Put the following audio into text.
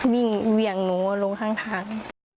วิ่งเหวี่ยงหนูลงข้างทาง